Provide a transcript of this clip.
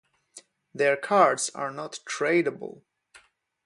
Their cards are not tradeable.